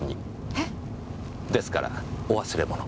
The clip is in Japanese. えっ？ですからお忘れ物。